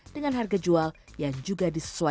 dengan harga jual yang juga disesuaikan